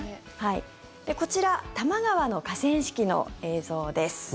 こちら多摩川の河川敷の映像です。